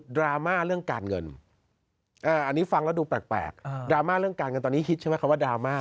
ดราม่าเรื่องการเงินตอนนี้ฮิตใช่ไหมคำว่าดราม่า